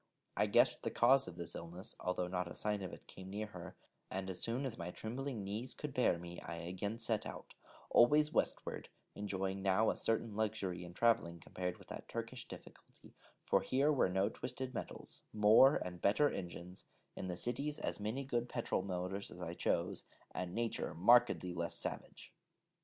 I guessed the cause of this illness, though not a sign of it came near her, and as soon as my trembling knees could bear me, I again set out always Westward enjoying now a certain luxury in travelling compared with that Turkish difficulty, for here were no twisted metals, more and better engines, in the cities as many good petrol motors as I chose, and Nature markedly less savage.